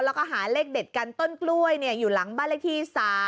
แล้วก็หาเลขเด็ดกันต้นกล้วยอยู่หลังบ้านเลขที่๓